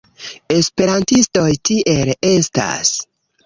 Esperantistoj tiel estas.